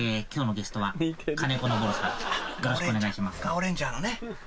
『ガオレンジャー』のね。